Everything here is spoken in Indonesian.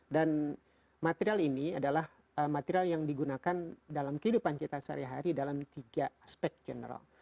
dan material ini adalah material yang digunakan dalam kehidupan kita sehari hari dalam tiga aspek general